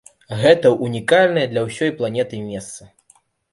Гэта унікальнае для ўсёй планеты месца.